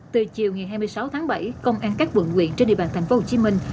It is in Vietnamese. từ chiều ngày hai mươi sáu tháng bảy công an các quận quyện trên địa bàn thành phố hồ chí minh